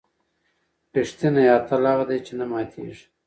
ریښتینی اتل هغه دی چې نه ماتېږي.